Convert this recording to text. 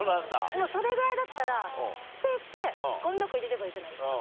もうそれぐらいだったら捨ててゴミ箱入れればいいじゃないですか。